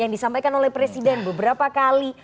yang disampaikan oleh presiden beberapa kali